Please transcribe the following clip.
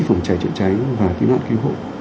phòng cháy trợ cháy và cứu nạn cứu hộ